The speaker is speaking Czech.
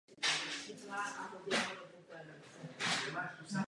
Poté působil jako profesor na oddělení astronomie a fyziky na univerzitě Johnse Hopkinse.